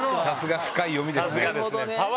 さすが深い読みですね。